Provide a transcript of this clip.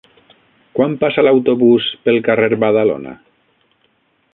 Quan passa l'autobús pel carrer Badalona?